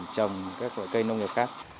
trồng các loại cây nông nghiệp khác